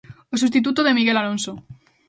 O substituto de Miguel Alonso.